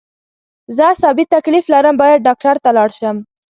زه عصابي تکلیف لرم باید ډاکټر ته لاړ شم